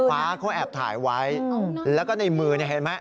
ฟ้าเขาแอบถ่ายไว้แล้วก็ในมือเนี่ยเห็นไหม